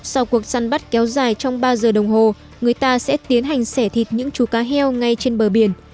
sau cuộc săn bắt kéo dài trong ba giờ đồng hồ người ta sẽ tiến hành xẻ thịt những chú cá heo ngay trên bờ biển